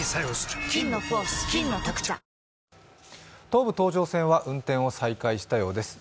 東武東上線は運転を再開したようです。